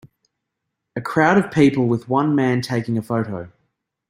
A crowd of people with one man taking a photo.